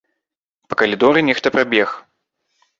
Па калідоры нехта прабег.